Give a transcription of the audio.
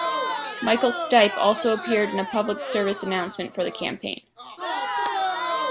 Michael Stipe also appeared in a public service announcement for the campaign.